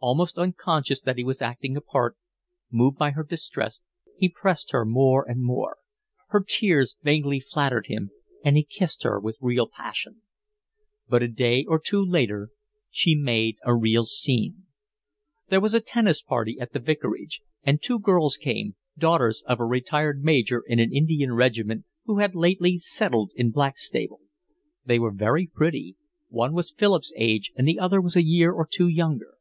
Almost unconscious that he was acting a part, moved by her distress, he pressed her more and more. Her tears vaguely flattered him, and he kissed her with real passion. But a day or two later she made a real scene. There was a tennis party at the vicarage, and two girls came, daughters of a retired major in an Indian regiment who had lately settled in Blackstable. They were very pretty, one was Philip's age and the other was a year or two younger.